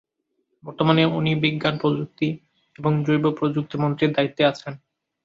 বর্তমানে উনি বিজ্ঞান, প্রযুক্তি এবং জৈবপ্রযুক্তি মন্ত্রীর দায়িত্বে আছেন।